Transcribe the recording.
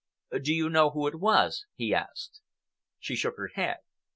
"Do you know who it was?" he asked. She shook her head.